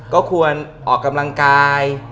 ก็ควรออกกำลังกาย